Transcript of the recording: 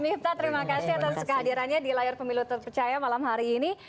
miftah terima kasih atas kehadirannya di layar pemilu terpercaya malam hari ini